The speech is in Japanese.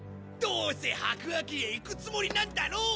どうせ白亜紀へ行くつもりなんだろ？